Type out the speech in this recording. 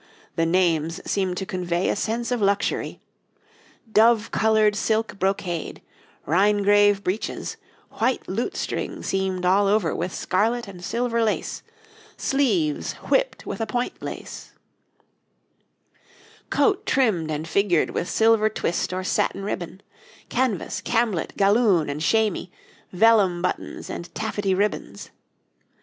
The names seem to convey a sense of luxury: dove coloured silk brocade, Rhingrave breeches, white lutestring seamed all over with scarlet and silver lace, sleeves whipt with a point lace, coat trimmed and figured with silver twist or satin ribbon; canvas, camblet, galloon and shamey, vellam buttons and taffety ribbons.